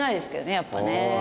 やっぱりね。